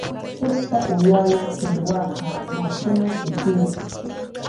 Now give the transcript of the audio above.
Suqta uyayuq pirwaqa machina sutiyuq.